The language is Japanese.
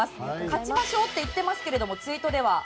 勝ちましょうって言ってますがツイートでは。